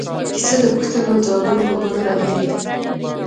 کیسه د پوښتنو او ځوابونو په بڼه راغلې ده.